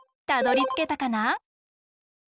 たどりつけたかな？